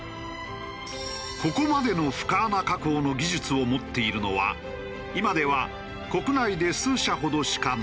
ここまでの深孔加工の技術を持っているのは今では国内で数社ほどしかないという。